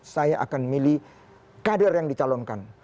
saya akan milih kader yang dicalonkan